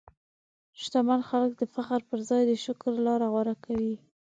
شتمن خلک د فخر پر ځای د شکر لاره غوره کوي.